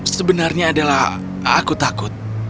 sebenarnya adalah aku takut